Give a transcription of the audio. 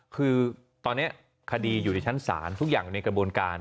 คือตอนนี้คดีอยู่ในชั้นศาลทุกอย่างอยู่ในกระบวนการ